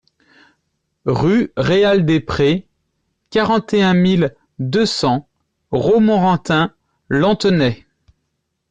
Rue Réal des Prés, quarante et un mille deux cents Romorantin-Lanthenay